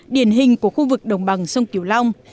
điển hình của khu vực đồng bằng sông kiều long